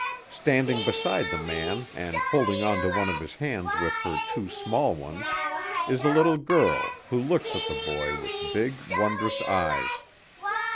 Standing beside the man and holding onto one of his hands with her two small ones is a little girl who looks at the boy with big, wondrous eyes.